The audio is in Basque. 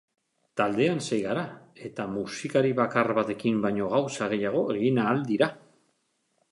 Taldean sei gara eta musikari bakar batekin baino gauza gehiago egin ahal dira.